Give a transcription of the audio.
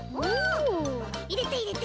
いれていれて。